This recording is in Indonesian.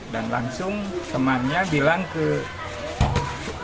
dan langsung temannya bilang ke wali